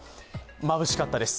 まぶしかったです。